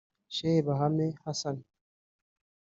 Sheh Bahame Hassan